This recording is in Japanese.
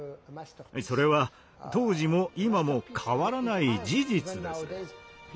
それは当時も今も変わらない事実です。